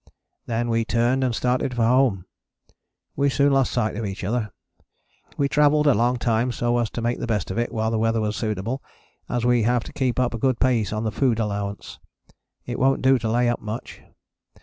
Then we turned and started for home. We soon lost sight of each other. We travelled a long time so as to make the best of it while the weather was suitable, as we have to keep up a good pace on the food allowance. It wont do to lay up much.